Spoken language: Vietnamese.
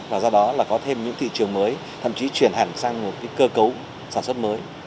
và do đó có thêm những thị trường mới thậm chí chuyển hẳn sang cơ cấu sản xuất mới